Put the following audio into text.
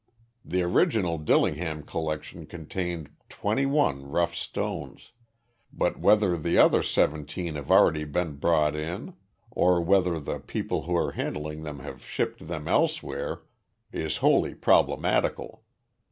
"The original Dillingham collection contained twenty one rough stones but whether the other seventeen have already been brought in or whether the people who are handling them have shipped them elsewhere is wholly problematical.